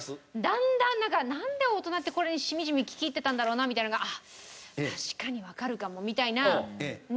だんだんなんか「なんで大人ってこれにしみじみ聴き入ってたんだろうなみたいなのが「あっ確かにわかるかも」みたいなのになってきますよね。